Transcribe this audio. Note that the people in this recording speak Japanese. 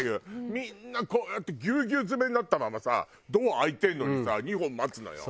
みんなこうやってぎゅうぎゅう詰めになったままさドア開いてるのにさ２本待つのよ。